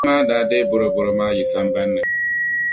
Paɣa maa daa deei boroboro maa yi sambani ni.